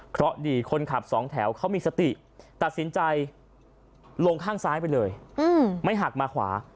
เพราะดีคนขับสองแถวเขามีสติตัดสินใจลงข้างซ้ายไปเลยไม่หักมาขวา